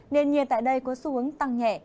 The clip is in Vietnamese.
nền nhiệt tại đây có xu hướng tăng nhẹ